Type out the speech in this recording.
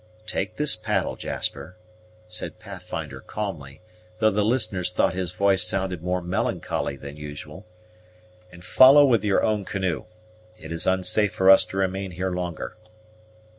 "Take this paddle, Jasper," said Pathfinder calmly, though the listeners thought his voice sounded more melancholy than usual, "and follow with your own canoe. It is unsafe for us to remain here longer."